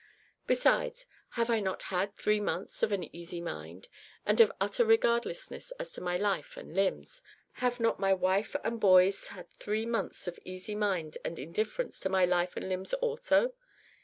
Besides, have I not had three months of an easy mind, and of utter regardlessness as to my life and limbs? Have not my wife and boys had three months of easy minds and indifference to my life and limbs also!